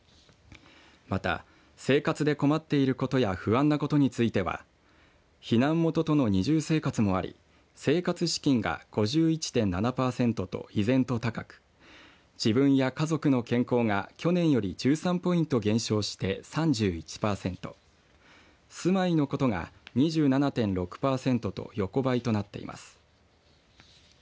また生活で困っていることや不安なことについては避難元との二重生活もあり生活資金が５１．７％と依然と高く自分や家族の健康が去年より１３ポイント減少して３１％、住まいのことが２７．６％と横ばいとなっています。